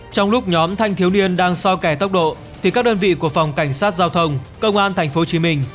trong lúc nhóm thanh thiếu niên đang so kè tốc độ thì các đơn vị của phòng cảnh sát giao thông công an thành phố hồ chí minh